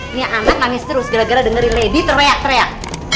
ini anak nangis terus gara gara dengerin lady teriak teriak